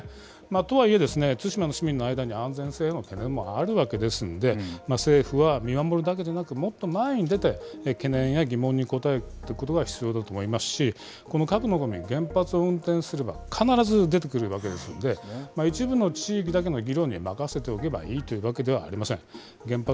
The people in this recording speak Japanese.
とはいえですね、対馬の市民の間には安全性への懸念もあるわけですので政府は見守るだけでなく、もっと前に出て、懸念や疑問に答えていくことが必要だと思いますし、この核のごみ、原発を運転すれば必ず出てくるわけですので、一部の地域だけの議論に任せておけばいいというわけではありません。